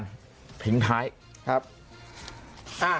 เธอจะบอกว่าเธอจะบอกว่า